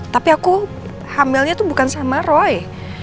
tapi aku hamilnya tuh bukan sama roy